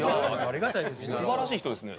素晴らしい人ですね。